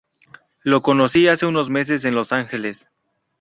La conocí hace unos meses en Los Ángeles.